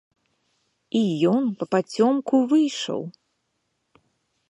І ён папацёмку выйшаў.